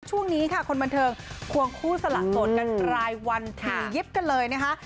ช่วงนี้ค่ะคนบันเทิงควงคู่สละโสดกันรายวันถี่ยิบกันเลยนะคะ